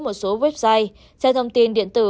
một số website trang thông tin điện tử